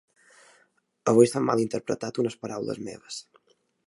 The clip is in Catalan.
Avui s'han malinterpretat unes paraules meves.